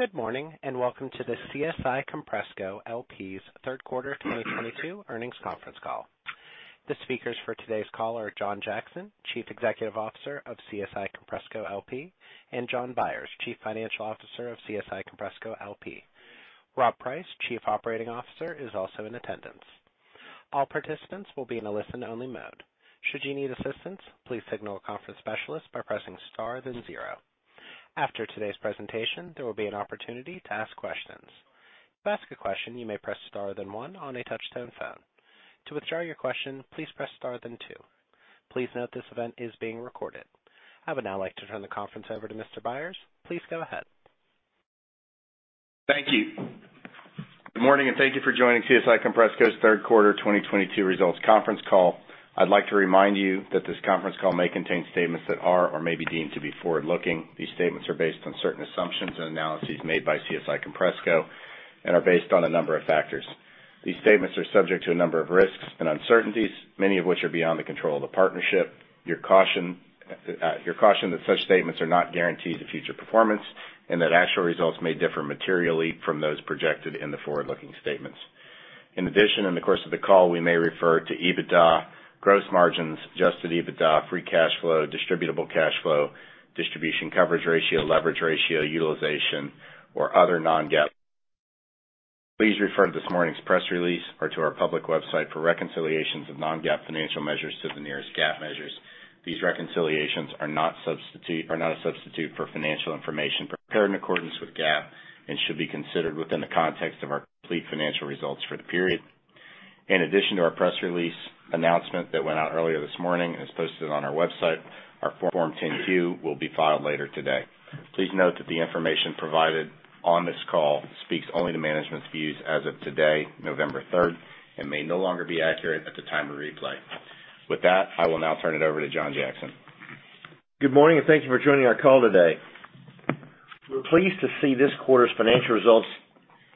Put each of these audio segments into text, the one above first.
Good morning, and welcome to the CSI Compressco LP's Third Quarter 2022 Earnings Conference Call. The speakers for today's call are John Jackson, Chief Executive Officer of CSI Compressco LP, and Jon Byers, Chief Financial Officer of CSI Compressco LP. Robert Price, Chief Operating Officer, is also in attendance. All participants will be in a listen-only mode. Should you need assistance, please signal a conference specialist by pressing Star then zero. After today's presentation, there will be an opportunity to ask questions. To ask a question, you may press Star then one on a touch-tone phone. To withdraw your question, please press Star then two. Please note this event is being recorded. I would now like to turn the conference over to Mr. Byers. Please go ahead. Thank you. Good morning, and thank you for joining CSI Compressco's Third Quarter 2022 Results conference call. I'd like to remind you that this conference call may contain statements that are or may be deemed to be forward-looking. These statements are based on certain assumptions and analyses made by CSI Compressco and are based on a number of factors. These statements are subject to a number of risks and uncertainties, many of which are beyond the control of the partnership. You're cautioned that such statements are not guarantees of future performance and that actual results may differ materially from those projected in the forward-looking statements. In addition, in the course of the call, we may refer to EBITDA, gross margins, Adjusted EBITDA, free cash flow, distributable cash flow, distribution coverage ratio, leverage ratio, utilization, or other non-GAAP. Please refer to this morning's press release or to our public website for reconciliations of non-GAAP financial measures to the nearest GAAP measures. These reconciliations are not a substitute for financial information prepared in accordance with GAAP and should be considered within the context of our complete financial results for the period. In addition to our press release announcement that went out earlier this morning and is posted on our website, our Form 10-Q will be filed later today. Please note that the information provided on this call speaks only to management's views as of today, November third, and may no longer be accurate at the time of replay. With that, I will now turn it over to John Jackson. Good morning, and thank you for joining our call today. We're pleased to see this quarter's financial results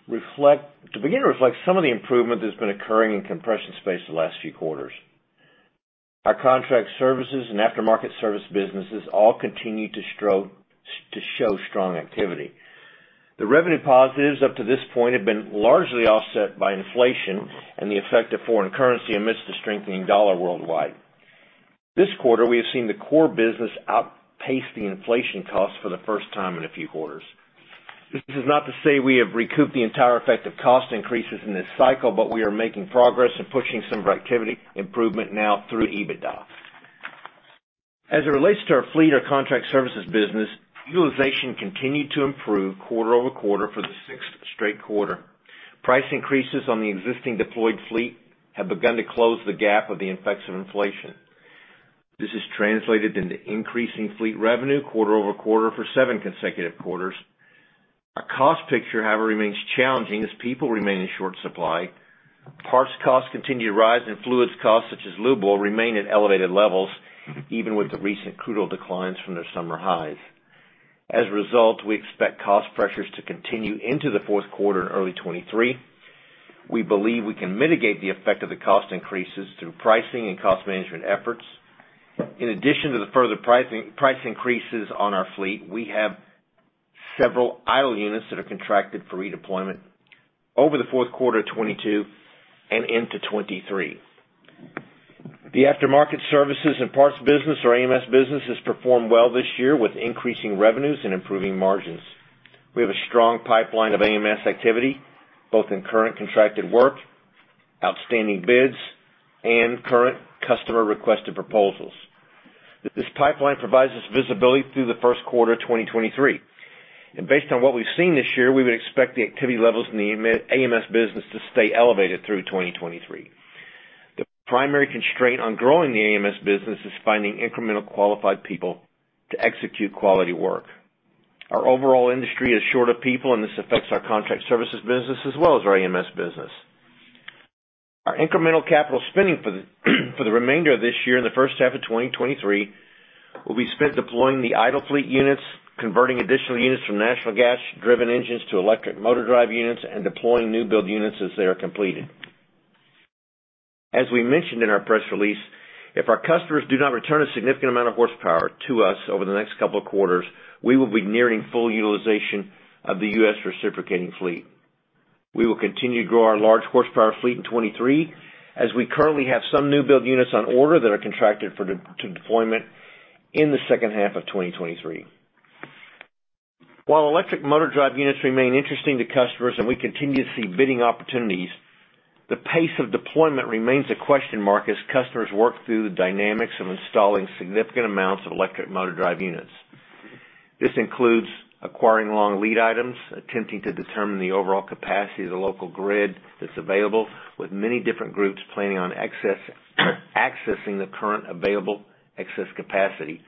to begin to reflect some of the improvement that's been occurring in compression space the last few quarters. Our contract services and aftermarket service businesses all continue to show strong activity. The revenue positives up to this point have been largely offset by inflation and the effect of foreign currency amidst the strengthening dollar worldwide. This quarter, we have seen the core business outpace the inflation costs for the first time in a few quarters. This is not to say we have recouped the entire effect of cost increases in this cycle, but we are making progress and pushing some productivity improvement now through EBITDA. As it relates to our fleet or contract services business, utilization continued to improve quarter-over-quarter for the sixth straight quarter. Price increases on the existing deployed fleet have begun to close the gap of the effects of inflation. This has translated into increasing fleet revenue quarter over quarter for seven consecutive quarters. Our cost picture, however, remains challenging as people remain in short supply. Parts costs continue to rise and fluids costs, such as lube oil, remain at elevated levels, even with the recent crude oil declines from their summer highs. As a result, we expect cost pressures to continue into the fourth quarter and early 2023. We believe we can mitigate the effect of the cost increases through pricing and cost management efforts. In addition to the further pricing, price increases on our fleet, we have several idle units that are contracted for redeployment over the fourth quarter of 2022 and into 2023. The aftermarket services and parts business or AMS business has performed well this year with increasing revenues and improving margins. We have a strong pipeline of AMS activity, both in current contracted work, outstanding bids, and current customer-requested proposals. This pipeline provides us visibility through the first quarter of 2023. Based on what we've seen this year, we would expect the activity levels in the AMS business to stay elevated through 2023. The primary constraint on growing the AMS business is finding incremental qualified people to execute quality work. Our overall industry is short of people, and this affects our contract services business as well as our AMS business. Our incremental capital spending for the remainder of this year and the first half of 2023 will be spent deploying the idle fleet units, converting additional units from natural gas-driven engines to electric motor drive units, and deploying new build units as they are completed. As we mentioned in our press release, if our customers do not return a significant amount of horsepower to us over the next couple of quarters, we will be nearing full utilization of the U.S. reciprocating fleet. We will continue to grow our large horsepower fleet in 2023, as we currently have some new build units on order that are contracted for deployment in the second half of 2023. While electric motor drive units remain interesting to customers and we continue to see bidding opportunities, the pace of deployment remains a question mark as customers work through the dynamics of installing significant amounts of electric motor drive units. This includes acquiring long lead items, attempting to determine the overall capacity of the local grid that's available, with many different groups planning on accessing the current available excess capacity,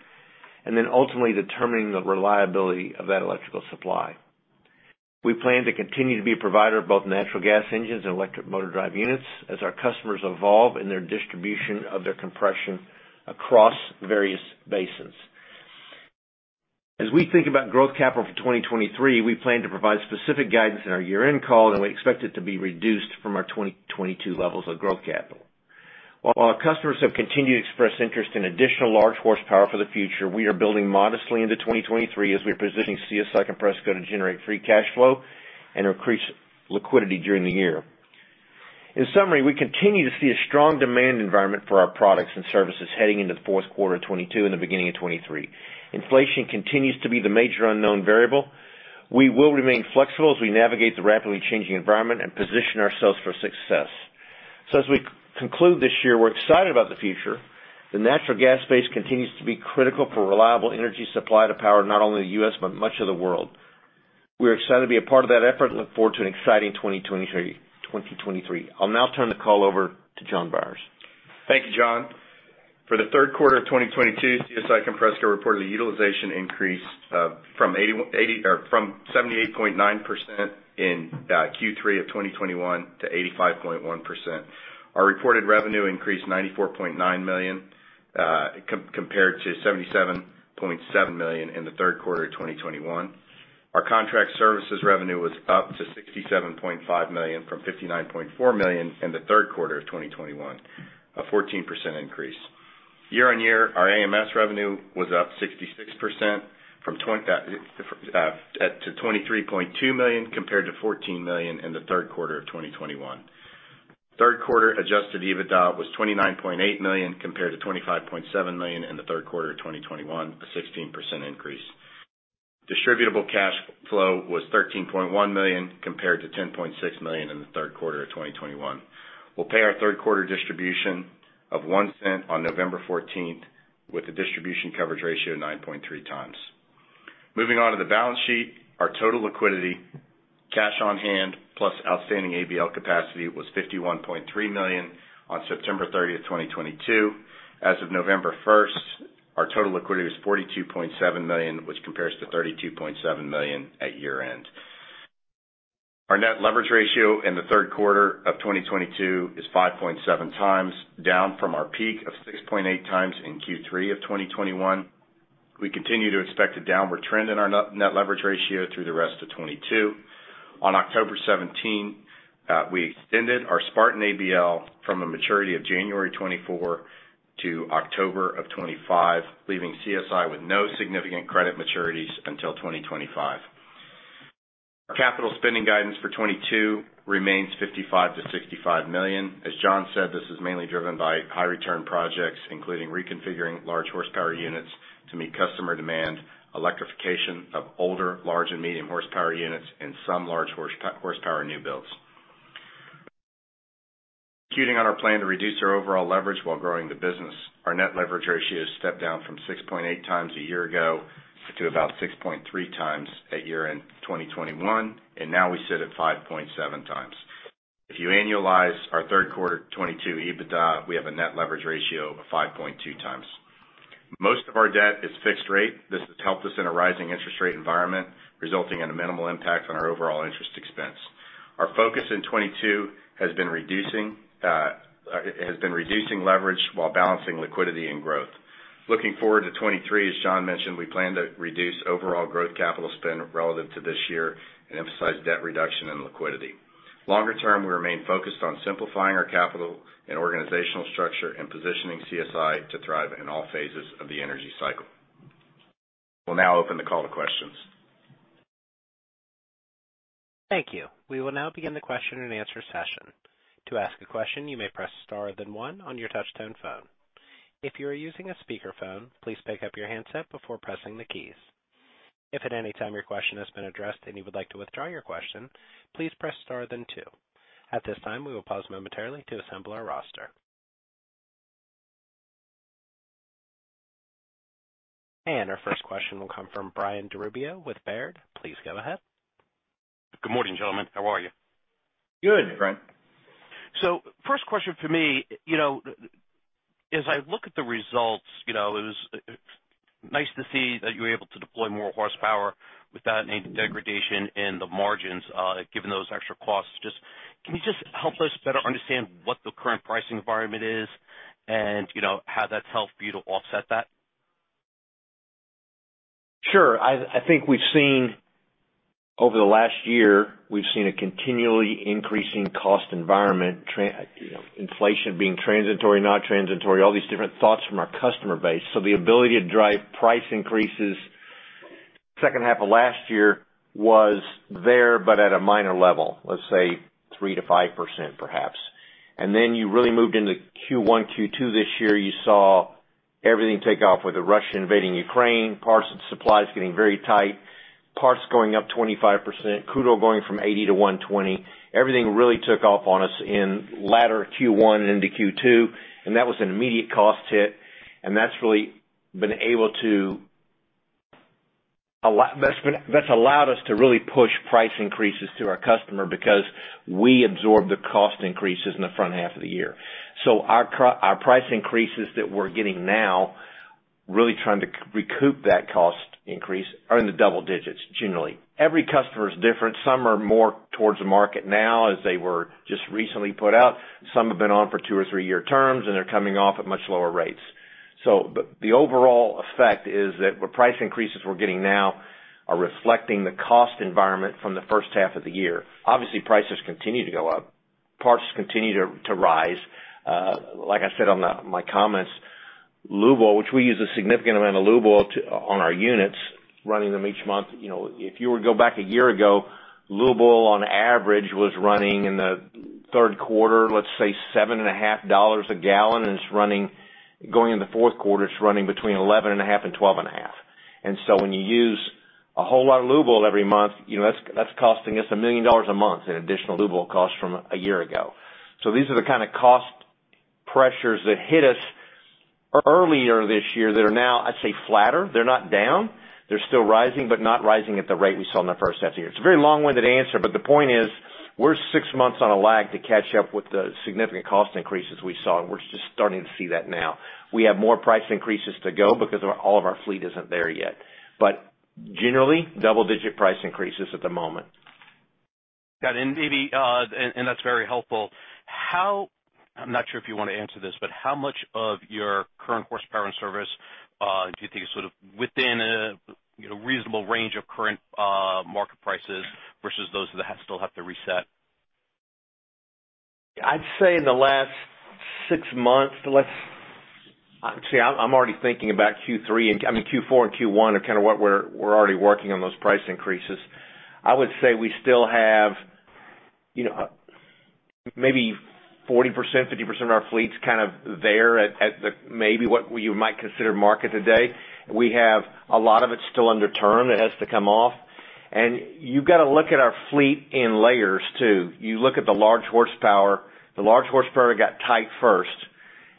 and then ultimately determining the reliability of that electrical supply. We plan to continue to be a provider of both natural gas engines and electric motor drive units as our customers evolve in their distribution of their compression across various basins. As we think about growth capital for 2023, we plan to provide specific guidance in our year-end call, and we expect it to be reduced from our 2022 levels of growth capital. While our customers have continued to express interest in additional large horsepower for the future, we are building modestly into 2023 as we are positioning CSI Compressco to generate free cash flow and increase liquidity during the year. In summary, we continue to see a strong demand environment for our products and services heading into the fourth quarter of 2022 and the beginning of 2023. Inflation continues to be the major unknown variable. We will remain flexible as we navigate the rapidly changing environment and position ourselves for success. As we conclude this year, we're excited about the future. The natural gas space continues to be critical for reliable energy supply to power, not only the U.S., but much of the world. We're excited to be a part of that effort and look forward to an exciting 2023. I'll now turn the call over to Jon Byers. Thank you, John. For the third quarter of 2022, CSI Compressco reported a utilization increase from 78.9% in Q3 of 2021 to 85.1%. Our reported revenue increased to $94.9 million compared to $77.7 million in the third quarter of 2021. Our contract services revenue was up to $67.5 million from $59.4 million in the third quarter of 2021, a 14% increase. Year-on-year, our AMS revenue was up 66% to $23.2 million compared to $14 million in the third quarter of 2021. Third quarter Adjusted EBITDA was $29.8 million compared to $25.7 million in the third quarter of 2021, a 16% increase. Distributable cash flow was $13.1 million compared to $10.6 million in the third quarter of 2021. We'll pay our third quarter distribution of $0.01 on November fourteenth, with a distribution coverage ratio of 9.3 times. Moving on to the balance sheet. Our total liquidity, cash on hand plus outstanding ABL capacity was $51.3 million on September thirtieth, 2022. As of November first, our total liquidity was $42.7 million, which compares to $32.7 million at year-end. Our net leverage ratio in the third quarter of 2022 is 5.7 times, down from our peak of 6.8 times in Q3 of 2021. We continue to expect a downward trend in our net leverage ratio through the rest of 2022. On October 17, we extended our Spartan ABL from a maturity of January 2024 to October 2025, leaving CSI with no significant credit maturities until 2025. Our capital spending guidance for 2022 remains $55 million-65 million. As John said, this is mainly driven by high return projects, including reconfiguring large horsepower units to meet customer demand, electrification of older large and medium horsepower units, and some large horsepower new builds. Executing on our plan to reduce our overall leverage while growing the business, our net leverage ratio has stepped down from 6.8x a year ago to about 6.3x at year-end 2021, and now we sit at 5.7x. If you annualize our third quarter 2022 EBITDA, we have a net leverage ratio of 5.2x. Most of our debt is fixed rate. This has helped us in a rising interest rate environment, resulting in a minimal impact on our overall interest expense. Our focus in 2022 has been reducing leverage while balancing liquidity and growth. Looking forward to 2023, as John mentioned, we plan to reduce overall growth capital spend relative to this year and emphasize debt reduction and liquidity. Longer term, we remain focused on simplifying our capital and organizational structure and positioning CSI to thrive in all phases of the energy cycle. We'll now open the call to questions. Thank you. We will now begin the question and answer session. To ask a question, you may press star, then one on your touch tone phone. If you are using a speaker phone, please pick up your handset before pressing the keys. If at any time your question has been addressed and you would like to withdraw your question, please press star then two. At this time, we will pause momentarily to assemble our roster. Our first question will come from Brian DiRubbio with Baird. Please go ahead. Good morning, gentlemen. How are you? Good. Good, Brian. First question for me, you know, as I look at the results, you know, it was nice to see that you were able to deploy more horsepower without any degradation in the margins, given those extra costs. Can you just help us better understand what the current pricing environment is and, you know, how that's helped you to offset that? Sure. I think we've seen over the last year, we've seen a continually increasing cost environment you know, inflation being transitory, not transitory, all these different thoughts from our customer base. The ability to drive price increases second half of last year was there, but at a minor level, let's say 3%-5% perhaps. Then you really moved into Q1, Q2 this year, you saw everything take off with Russia invading Ukraine, parts and supplies getting very tight, parts going up 25%, crude oil going from $80 to $120. Everything really took off on us in latter Q1 into Q2, and that was an immediate cost hit. That's allowed us to really push price increases to our customer because we absorbed the cost increases in the front half of the year. Our price increases that we're getting now, really trying to recoup that cost increase are in the double digits, generally. Every customer is different. Some are more towards the market now as they were just recently put out. Some have been on for two or three-year terms, and they're coming off at much lower rates. The overall effect is that the price increases we're getting now are reflecting the cost environment from the first half of the year. Obviously, prices continue to go up, parts continue to rise. Like I said on my comments, lube oil, which we use a significant amount of lube oil on our units running them each month. You know, if you were to go back a year ago, lube oil on average was running in the third quarter, let's say seven and a half dollars a gallon, and it's running. Going into fourth quarter, it's running between eleven and a half and twelve and a half. When you use a whole lot of lube oil every month, you know, that's costing us $1 million a month in additional lube oil costs from a year ago. These are the kind of cost pressures that hit us earlier this year that are now, I'd say, flatter. They're not down. They're still rising, but not rising at the rate we saw in the first half of the year. It's a very long-winded answer, but the point is we're six months on a lag to catch up with the significant cost increases we saw, and we're just starting to see that now. We have more price increases to go because our, all of our fleet isn't there yet. Generally, double-digit price increases at the moment. Got it. Maybe that's very helpful. I'm not sure if you wanna answer this, but how much of your current horsepower and service do you think is sort of within, you know, reasonable range of current market prices versus those that still have to reset? I'd say in the last six months, I'm already thinking about Q3 and Q4 and Q1 are kind of what we're already working on those price increases. I would say we still have, you know, maybe 40%, 50% of our fleet's kind of there at the maybe what we might consider market today. We have a lot of it still under term that has to come off. You've gotta look at our fleet in layers, too. You look at the large horsepower. The large horsepower got tight first,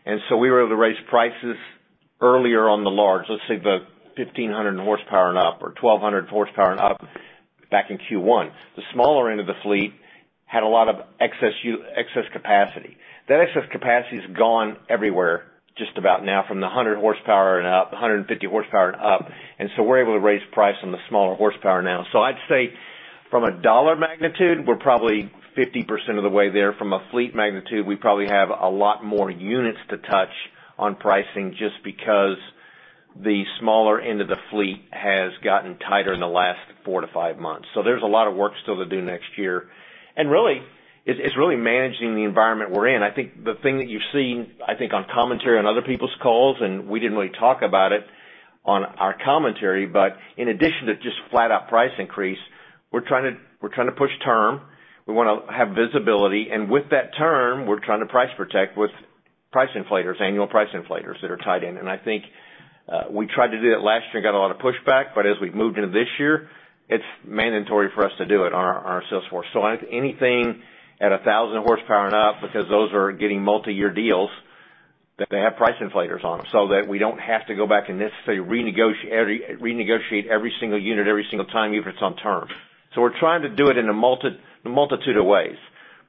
and so we were able to raise prices earlier on the large, let's say about 1,500 horsepower and up or 1,200 horsepower and up back in Q1. The smaller end of the fleet had a lot of excess capacity. That excess capacity is gone everywhere just about now from the 100 horsepower and up, 150 horsepower and up, and we're able to raise price on the smaller horsepower now. I'd say from a dollar magnitude, we're probably 50% of the way there. From a fleet magnitude, we probably have a lot more units to touch on pricing just because the smaller end of the fleet has gotten tighter in the last four to five months. There's a lot of work still to do next year. Really, it's really managing the environment we're in. I think the thing that you've seen, I think on commentary on other people's calls, and we didn't really talk about it on our commentary, but in addition to just flat out price increase, we're trying to push term. We wanna have visibility. With that term, we're trying to price protect with price inflators, annual price inflators that are tied in. I think we tried to do that last year and got a lot of pushback, but as we've moved into this year, it's mandatory for us to do it on our sales force. I think anything at 1,000 horsepower and up, because those are getting multi-year deals, that they have price inflators on them so that we don't have to go back and necessarily renegotiate every single unit every single time, even if it's on term. We're trying to do it in a multitude of ways.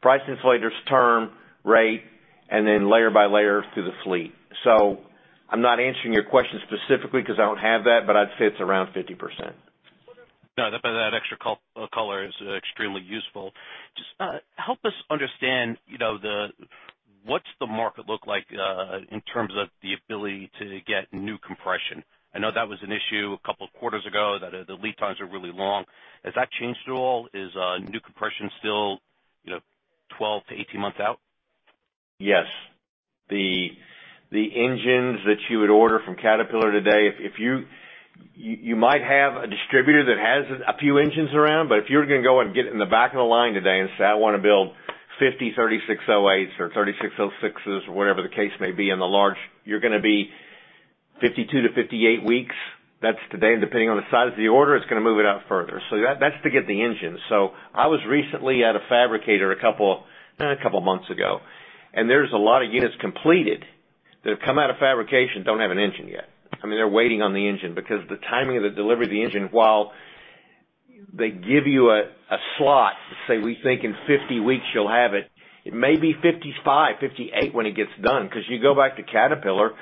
Price inflators, term, rate, and then layer by layer through the fleet. I'm not answering your question specifically 'cause I don't have that, but I'd say it's around 50%. No, that extra color is extremely useful. Just help us understand, you know, what's the market look like in terms of the ability to get new compression? I know that was an issue a couple of quarters ago, that the lead times are really long. Has that changed at all? Is new compression still, you know, 12-18 months out? Yes. The engines that you would order from Caterpillar today, if you might have a distributor that has a few engines around, but if you're gonna go and get in the back of the line today and say, "I wanna build 50 3608s or 3606s," or whatever the case may be in the large, you're gonna be 52-58 weeks. That's today. Depending on the size of the order, it's gonna move it out further. That's to get the engine. I was recently at a fabricator a couple of months ago, and there's a lot of units completed that have come out of fabrication, don't have an engine yet. I mean, they're waiting on the engine because the timing of the delivery of the engine, while they give you a slot to say, we think in 50 weeks you'll have it may be 55, 58 when it gets done. 'Cause you go back to Caterpillar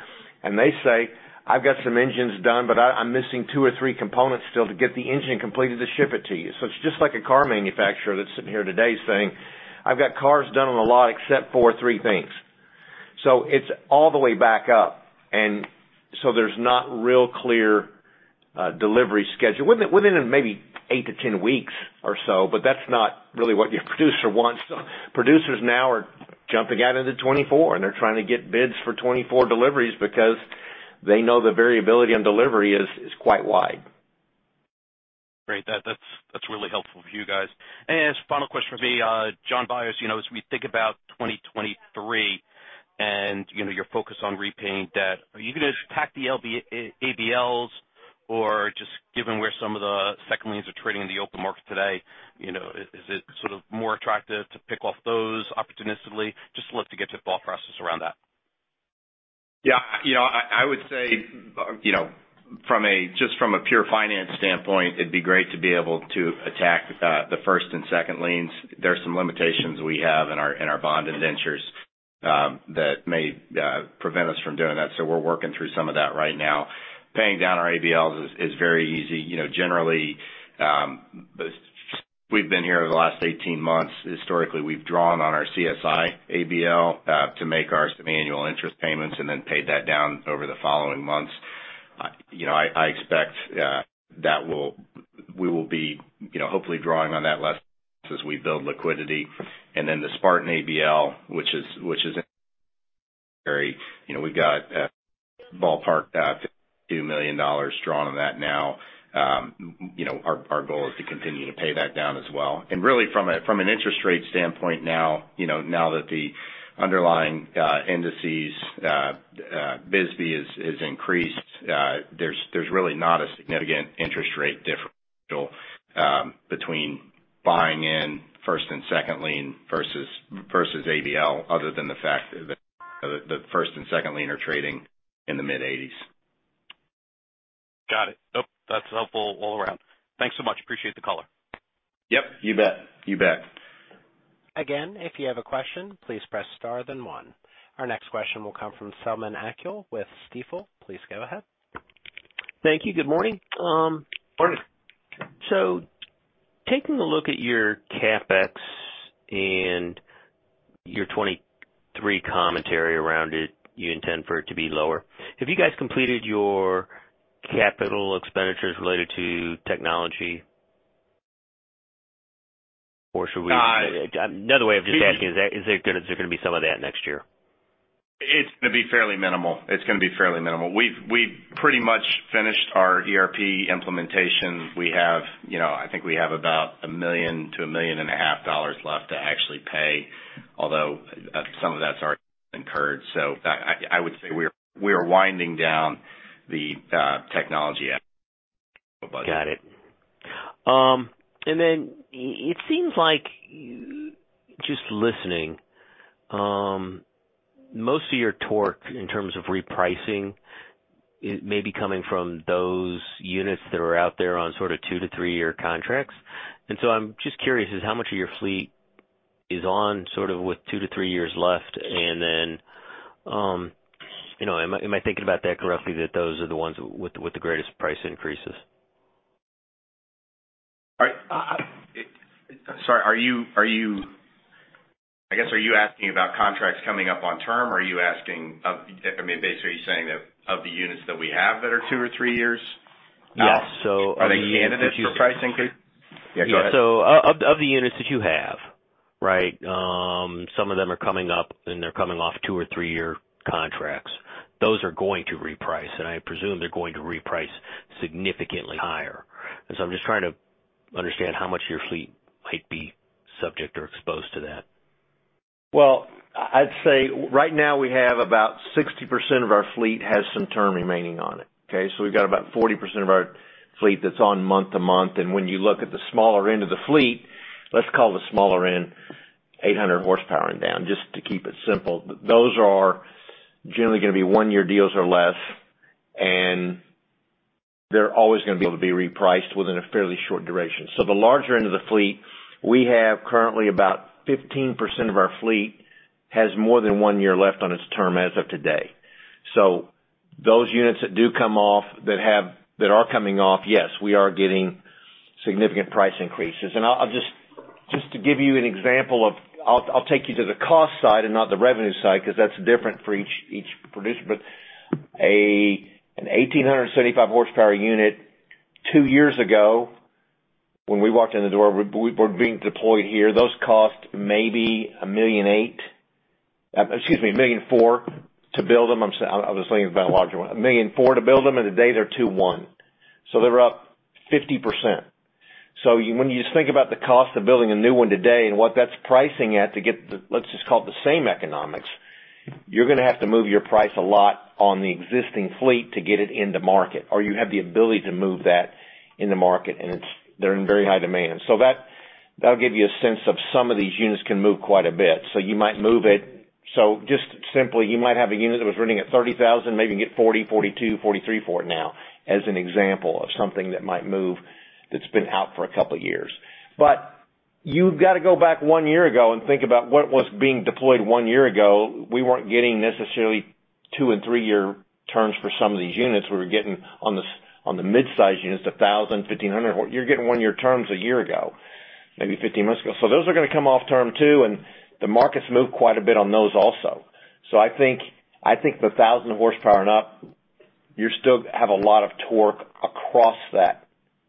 and they say, "I've got some engines done, but I'm missing two or three components still to get the engine completed to ship it to you." So it's just like a car manufacturer that's sitting here today saying, "I've got cars done on the lot except for three things." So it's all the way back up and so there's not a real clear delivery schedule. Within maybe eight to 10 weeks or so, but that's not really what your producer wants. Producers now are jumping out into 2024, and they're trying to get bids for 2024 deliveries because they know the variability on delivery is quite wide. Great. That's really helpful of you guys. As final question for me, Jon Byers, you know, as we think about 2023 and, you know, your focus on repaying debt, are you gonna attack the ABLs or just given where some of the second liens are trading in the open market today, you know, is it sort of more attractive to pick off those opportunistically? Just love to get your thought process around that. Yeah. You know, I would say, you know, from a pure finance standpoint, it'd be great to be able to attack the first and second liens. There are some limitations we have in our bond indentures that may prevent us from doing that, so we're working through some of that right now. Paying down our ABLs is very easy. You know, generally, we've been here over the last 18 months. Historically, we've drawn on our CSI ABL to make our annual interest payments and then paid that down over the following months. You know, I expect we will be, you know, hopefully drawing on that less as we build liquidity. The Spartan ABL, which is very, you know, we've got ballpark $52 million drawn on that now. You know, our goal is to continue to pay that down as well. Really, from an interest rate standpoint now, you know, now that the underlying indices, vis-à-vis is increased, there's really not a significant interest rate differential between buying in first and second lien versus ABL, other than the fact that the first and second lien are trading in the mid-80s. Got it. Nope. That's helpful all around. Thanks so much. Appreciate the call. Yep, you bet. You bet. Again, if you have a question, please press star then one. Our next question will come from Selman Akyol with Stifel. Please go ahead. Thank you. Good morning. Morning. Taking a look at your CapEx and your 2023 commentary around it, you intend for it to be lower. Have you guys completed your capital expenditures related to technology? Or should we, another way of just asking, is there gonna be some of that next year? It's gonna be fairly minimal. We've pretty much finished our ERP implementation. We have, you know, I think we have about $1 million-$1.5 million left to actually pay, although some of that's already incurred. I would say we are winding down the technology budget. Got it. It seems like, just listening, most of your torque in terms of repricing it may be coming from those units that are out there on sorta two to three-year contracts. I'm just curious as to how much of your fleet is on sort of with two to three years left. You know, am I thinking about that correctly, that those are the ones with the greatest price increases? All right. Sorry. I guess, are you asking about contracts coming up on term, or I mean, basically, are you saying that of the units that we have that are two or three years? Yes. Are they candidates for price increase? Yeah, go ahead. Of the units that you have, right, some of them are coming up, and they're coming off two or three-year contracts. Those are going to reprice, and I presume they're going to reprice significantly higher. I'm just trying to understand how much of your fleet might be subject or exposed to that. Well, I'd say right now we have about 60% of our fleet has some term remaining on it. Okay? We've got about 40% of our fleet that's on month-to-month. When you look at the smaller end of the fleet, let's call the smaller end 800 horsepower and down, just to keep it simple. Those are generally gonna be one-year deals or less, and they're always gonna be able to be repriced within a fairly short duration. The larger end of the fleet, we have currently about 15% of our fleet has more than one year left on its term as of today. Those units that do come off that are coming off, yes, we are getting significant price increases. I'll just to give you an example of. I'll take you to the cost side and not the revenue side, 'cause that's different for each producer. A 1,875-horsepower unit two years ago when we walked in the door, we were being deployed here, those cost maybe $1.8 million. Excuse me, $1.4 million to build them. I was thinking about a larger one. $1.4 million to build them. Today, they're $2.1 million. They were up 50%. When you think about the cost of building a new one today and what that's pricing at to get the, let's just call it the same economics, you're gonna have to move your price a lot on the existing fleet to get it into market, or you have the ability to move that in the market, and it's, they're in very high demand. That, that'll give you a sense of some of these units can move quite a bit. You might move it. Just simply, you might have a unit that was running at $30,000, maybe get $40,42, 43 for it now as an example of something that might move that's been out for a couple years. You've got to go back one year ago and think about what was being deployed one year ago. We weren't getting necessarily two and three-year terms for some of these units. We were getting on the mid-size units, 1,000, 1,500. You're getting one-year terms a year ago, maybe 15 months ago. Those are gonna come off term too, and the market's moved quite a bit on those also. I think the 1,000 horsepower and up, you still have a lot of torque across that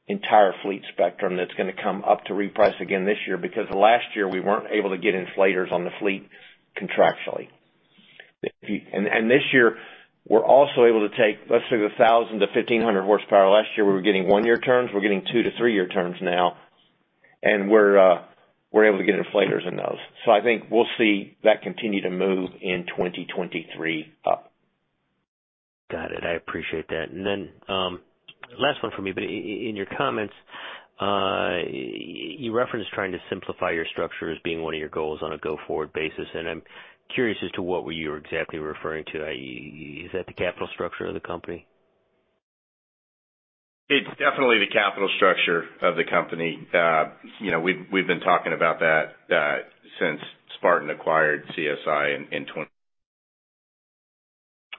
entire fleet spectrum that's gonna come up to reprice again this year. Last year we weren't able to get inflators on the fleet contractually. This year, we're also able to take, let's say, the 1,000-1,500 horsepower. Last year, we were getting one-year terms. We're getting two to three-year terms now, and we're able to get inflators in those. I think we'll see that continue to move up in 2023. Got it. I appreciate that. Last one for me. In your comments, you referenced trying to simplify your structure as being one of your goals on a go-forward basis, and I'm curious as to what were you exactly referring to, is that the capital structure of the company? It's definitely the capital structure of the company. You know, we've been talking about that since Spartan acquired CSI.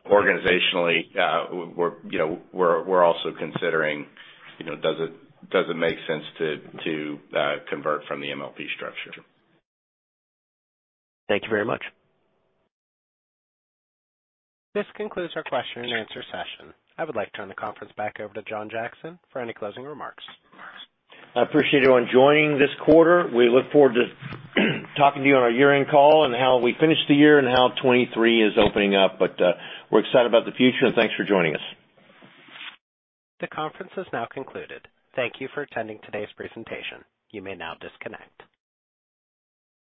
Organizationally, we're also considering, you know, does it make sense to convert from the MLP structure? Thank you very much. This concludes our question and answer session. I would like to turn the conference back over to John Jackson for any closing remarks. I appreciate everyone joining this quarter. We look forward to talking to you on our year-end call and how we finish the year and how 2023 is opening up. We're excited about the future, and thanks for joining us. The conference is now concluded. Thank you for attending today's presentation. You may now disconnect.